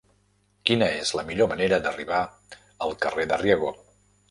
Quina és la millor manera d'arribar al carrer de Riego?